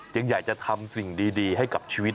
อยากจะทำสิ่งดีให้กับชีวิต